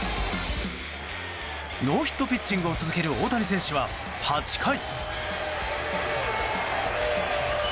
ノーヒットピッチングを続ける大谷選手は８回。